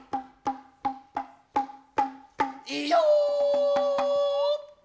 いよ。